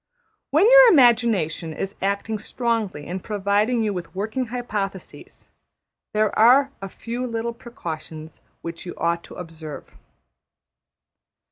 When your imagination is acting strongly in providing you with working hypotheses, there are a few little precautions which you ought to observe.